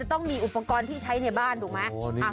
เราก็ไม่มีอุปกรณ์ที่ใช้ในบ้านถูกไหม